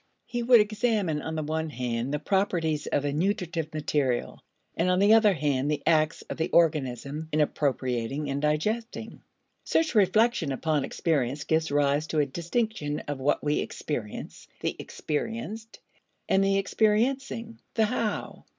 He would examine on the one hand the properties of the nutritive material, and on the other hand the acts of the organism in appropriating and digesting. Such reflection upon experience gives rise to a distinction of what we experience (the experienced) and the experiencing the how.